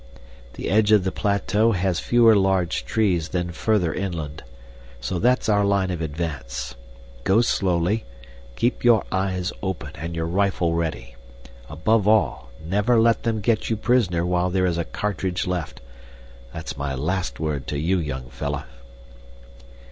The edge of the plateau has fewer large trees than further inland. So that's our line of advance. Go slowly, keep your eyes open and your rifle ready. Above all, never let them get you prisoner while there is a cartridge left that's my last word to you, young fellah."